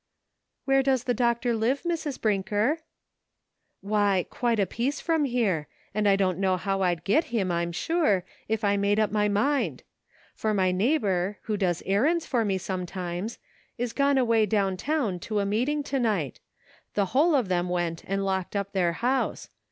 "Where does the doctor live, Mrs. Brinker?" "Why, quite a piece from here, and I don't know how I'd get him, I'm sure, if I made up 116 NIGHT WORK. my mind ; for my neighbor, who does errands for me sometimes, is gone away down town to a meeting to night; the whole of them went and locked up their house.